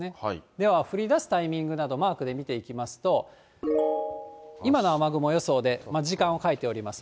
では降りだすタイミングなど、マークで見ていきますと、今の雨雲の予想で、時間を書いております。